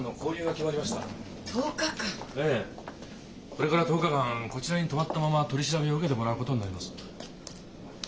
これから１０日間こちらに泊まったまま取り調べを受けてもらうことになります。